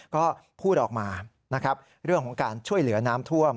ก็พูดออกมานะครับเรื่องของการช่วยเหลือน้ำท่วม